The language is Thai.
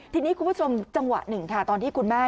ทีนี้คุณผู้ชมจังหวะหนึ่งค่ะตอนที่คุณแม่